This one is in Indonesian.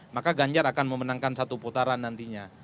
maka ganjar akan memenangkan satu putaran nantinya